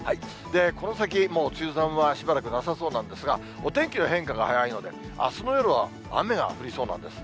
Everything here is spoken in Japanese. この先、もう梅雨寒はしばらくなさそうなんですが、お天気の変化が早いので、あすの夜は雨が降りそうなんです。